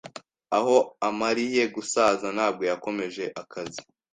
aho amariye gusaza nabwo yakomeje akazi